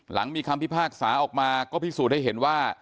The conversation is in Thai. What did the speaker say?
หลังมีคำพิพากษาออกมาก็พิสูจน์ให้เห็นว่า